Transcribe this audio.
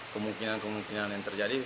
kemungkinan kemungkinan yang terjadi